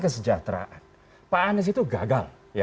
kesejahteraan pak anies itu gagal